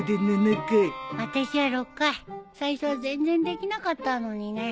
最初は全然できなかったのにね。